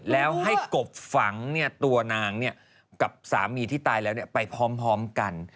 แล้วให้กบฝังตัวนางกับสามีที่ตายแล้วไปพร้อมกัน